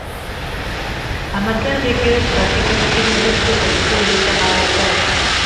Amatendekero Kati gakkiriziddwa okutendeka abasawo.